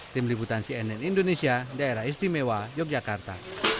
tim liputan cnn indonesia daerah istimewa yogyakarta